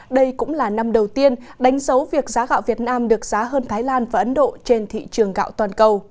đây cũng là năm đầu tiên đánh dấu việc giá gạo việt nam được giá hơn thái lan và ấn độ trên thị trường gạo toàn cầu